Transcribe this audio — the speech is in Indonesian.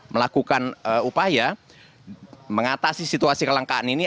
melakukan upaya mengatasi situasi kelangkaan ini